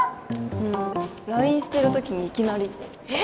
うんＬＩＮＥしてるときにいきなりえっ！？